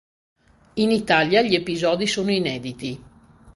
In Italia gli episodi sono inediti.